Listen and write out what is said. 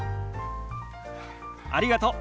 ありがとう。